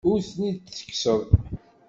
Ur ten-id-ttekkseɣ.